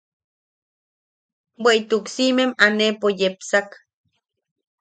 Bweʼituk siʼimem aneʼepo yepsak.